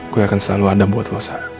gue akan selalu ada buat lo sa